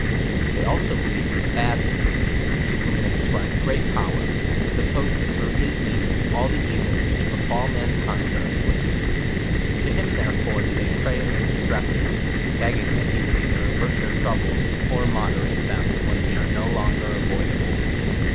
They also believe in a bad spirit, to whom they ascribe great power, and suppcso that through his means all the evils which befal mankind are in flicted. To him therefore do they pray in their distresses, begg ing that he would either avert their troubles^or moder ate them when they fire no longer avoidable.